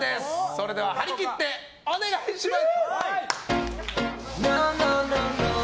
それでは張り切ってお願いします！